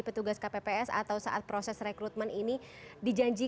yang ada seperti ini